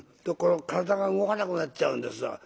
体が動かなくなっちゃうんですよ。